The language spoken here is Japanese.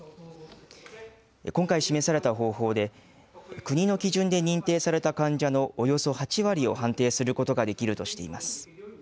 今回示された方法で、国の基準で認定された患者のおよそ８割を判定することができるとしています。